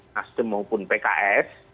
nasdem maupun pks